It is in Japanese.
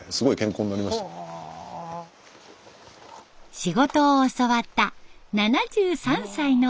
仕事を教わった７３歳の親方。